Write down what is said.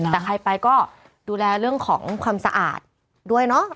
แต่ใครไปก็ดูแลเรื่องของความสะอาดด้วยเนาะ